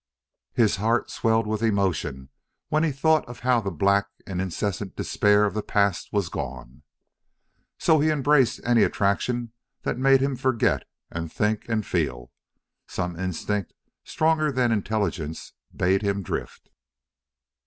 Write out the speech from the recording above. His heart swelled with emotion when he thought of how the black and incessant despair of the past was gone. So he embraced any attraction that made him forget and think and feel; some instinct stronger than intelligence bade him drift.